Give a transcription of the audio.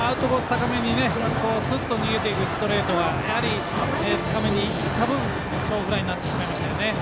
高めにすっと逃げていくストレートは高めにいった分小フライになってしまいましたね。